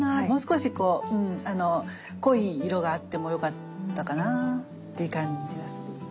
もう少し濃い色があってもよかったかなって感じがする。